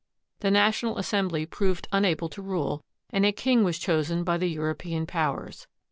The National Assernbly proved unable to rule, and a king was chosen by the European Powers.